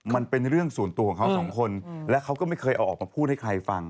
มันเป็นเรื่องส่วนตัวของเขาสองคนและเขาก็ไม่เคยเอาออกมาพูดให้ใครฟัง